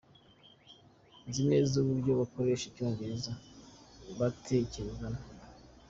Nzi neza uburyo abakoresha Icyongereza batekerezamo.